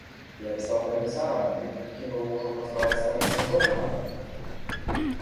Як стаў камісарам, дык кінуў ужо пазнаваць старых сяброў, га?